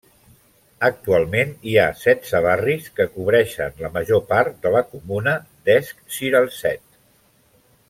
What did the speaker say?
Actualment hi ha setze barris, que cobreixen la major part de la comuna d'Esch-sur-Alzette.